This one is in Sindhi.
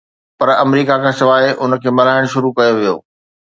پر آمريڪا کان سواءِ ان کي ملهائڻ شروع ڪيو ويو